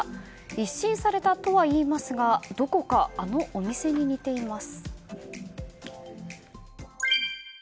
一新されたとは言いますがどこかあのお店に似ています。